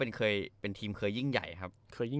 เคยเป็นทีมเคยยิ่งใหญ่ครับ